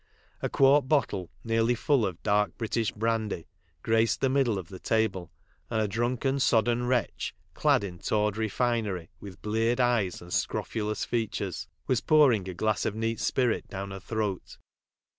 A quart bottle, nearly full of dark British brandv, graced the middle of the table, and a drunken, sodden wretch, clad in tawdry finery, with bleared eyes and scrof ulous features, was pouring a glass of neat spirit down her throat.